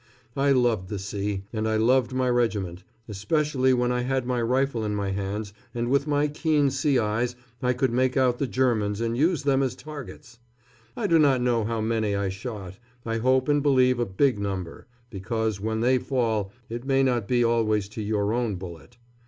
I loved the sea, and I loved my regiment, especially when I had my rifle in my hands and with my keen sea eyes I could make out the Germans and use them as targets. I do not know how many I shot I hope and believe a big number because when they fall it may not be always to your own bullet.